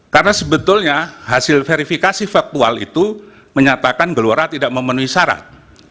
karena sebetulnya hasil verifikasi faktual itu menyatakan gelora tidak memenuhi syarat